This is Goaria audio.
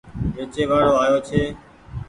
ويچي وآڙو آيو ڇي۔